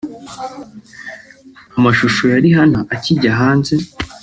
Amashusho ya ‘Rihanna’ akijya hanze